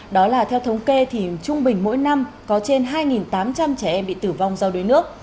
đó là theo thống kê thì trung bình mỗi năm có trên hai tám trăm linh trẻ em bị tử vong do đuối nước